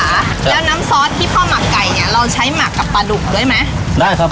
แล้วน้ำซอสที่พ่อหมักไก่เนี้ยเราใช้หมักกับปลาดุกด้วยไหมได้ครับ